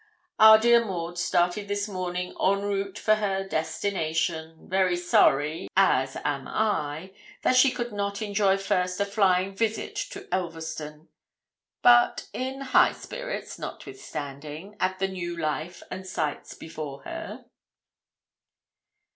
Our dear Maud started this morning en route for her destination, very sorry, as am I, that she could not enjoy first a flying visit to Elverston, but in high spirits, notwithstanding, at the new life and sights before her.'